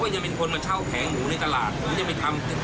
เอายกหลุมต้นเย็นอะไรเขาอยู่เลย